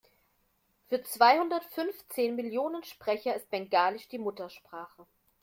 Für zweihundertfünfzehn Millionen Sprecher ist Bengalisch die Muttersprache.